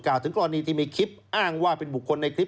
ถึงกรณีที่มีคลิปอ้างว่าเป็นบุคคลในคลิป